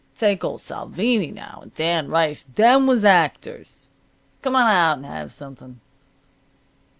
Take old Salvini, now, and Dan Rice. Them was actors. Come on out and have something."